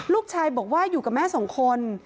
ลูกชายบอกว่าอยู่กับแม่สองคน